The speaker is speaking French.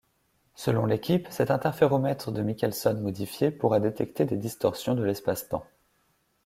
Selon l'équipe, cet interféromètre de Michelson modifié pourra détecter des distorsions de l'espace-temps.